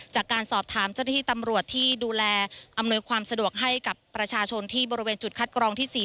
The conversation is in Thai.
จากการสอบถามเจ้าหน้าที่ตำรวจที่ดูแลอำนวยความสะดวกให้กับประชาชนที่บริเวณจุดคัดกรองที่๔